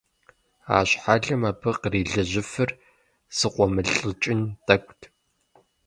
А щхьэлым абы кърилэжьыфыр зыкъуэмылӀыкӀын тӀэкӀут.